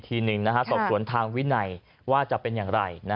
แต่ว่าเบิร์งทางวินัยจะเป็นอย่างไร